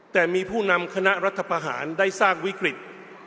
แต่มีผู้นำคณะรัฐประหารได้สร้างวิกฤต